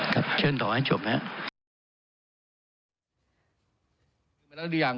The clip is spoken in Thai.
ครับเชิญต่อให้จบนะ